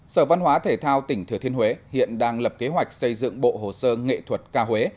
sở văn hóa thể thao tỉnh thừa thiên huế hiện đang lập kế hoạch xây dựng bộ hồ sơ nghệ thuật ca huế